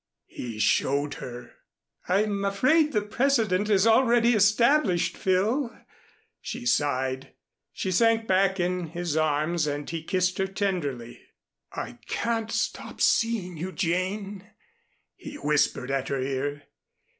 He showed her. "I'm afraid the precedent is already established, Phil," she sighed. She sank back in his arms and he kissed her tenderly. "I can't stop seeing you, Jane," he whispered at her ear.